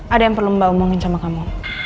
ada yang perlu mbak omongin sama kamu